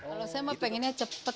kalau saya mah pengennya cepet pak